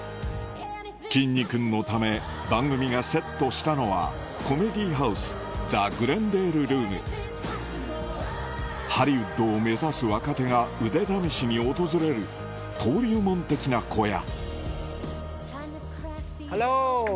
きんに君のため番組がセットしたのはハリウッドを目指す若手が腕試しに訪れる登竜門的な小屋ハロー！